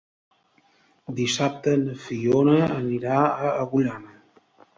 Dissabte na Fiona anirà a Agullana.